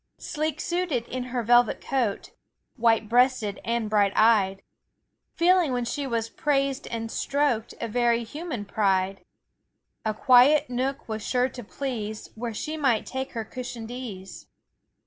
Sleek suited in her velvet coat. White breasted and bright eyed, Feeling when she was praised and stroked A very human pride; A quiet nook was sure to please Where she might take her cushioned ease.